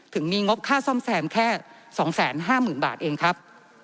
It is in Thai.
ถึงมีงบค่าซ่อมแซมแค่๒๕๐๐๐บาทเองครับ